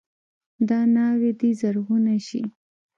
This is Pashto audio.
دا ناوې دې زرغونه شي.